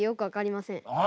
あ。